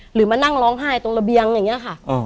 หรือมานั่งร้องไห้ตรงระเบียงอย่างนี้ค่ะ